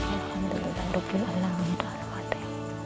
alhamdulillah dokun allah undar hati